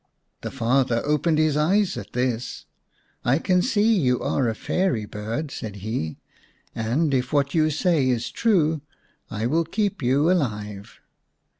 The father opened his eyes at this. " I can see you are a fairy bird," said he, " and if what you say is true I will keep you alive."